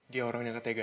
dia orang yang ketegaan